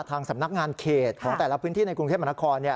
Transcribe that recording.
ทางสำนักงานเขตของแต่ละพื้นที่ในกรุงเทพมหานคร